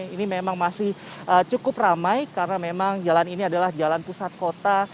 ini memang masih cukup ramai karena memang jalan ini adalah jalan pusat kota